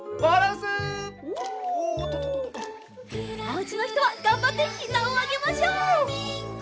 おうちのひとはがんばってひざをあげましょう！